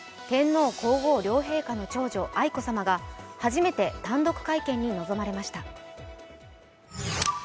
天皇・皇后両陛下の長女・愛子さまが初めて単独会見に臨まれました。